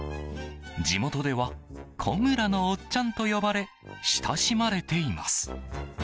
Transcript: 地元では古村のおっちゃんと呼ばれ親しまれています。